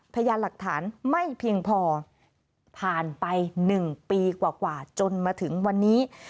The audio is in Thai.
พยานหลักฐานไม่เพียงพอผ่านไป๑ปีกว่าจนมาถึงวันนี้